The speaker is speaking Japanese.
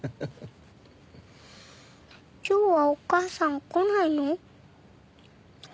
今日はお母さん来ないの？